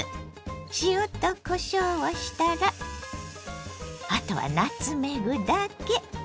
塩とこしょうをしたらあとはナツメグだけ！